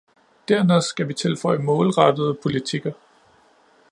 Dernæst skal vi tilføje målrettede politikker.